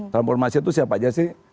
transformasi itu siapa aja sih